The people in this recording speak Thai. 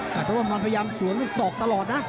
แต่ว่ามันพยายามสวนด้วยศอกตลอดนะ